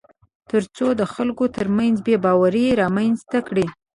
تر څو د خلکو ترمنځ بېباوري رامنځته کړي